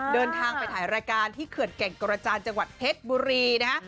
เดินทางไปถ่ายรายการที่เขื่อนแก่งกระจานจังหวัดเพชรบุรีนะฮะ